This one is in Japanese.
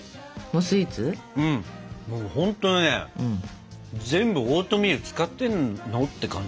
ほんとにね全部オートミール使ってんのって感じ。